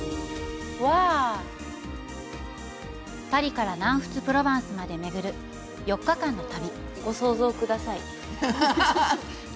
パリから南仏プロヴァンスまで巡る４日間の旅。